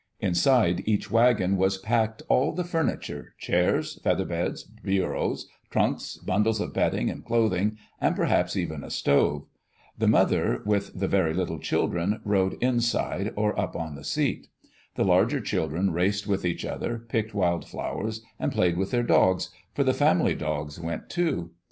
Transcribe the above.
Inside each wagon was packed all the furniture: chairs, feather beds, bureaus, trunks, bundles of bedding and clothing, and perhaps even a stove. The mother, with the Digitized by CjOOQ IC IHE OREGON TRAIL very little children, rode inside or up on the seat. The larger children raced with each other, picked wild flowers, and played with their dogs, for the family dogs went too.